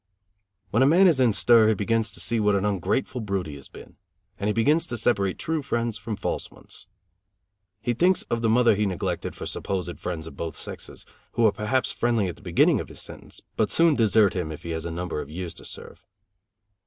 When a man is in stir he begins to see what an ungrateful brute he has been; and he begins to separate true friends from false ones. He thinks of the mother he neglected for supposed friends of both sexes, who are perhaps friendly at the beginning of his sentence, but soon desert him if he have a number of years to serve.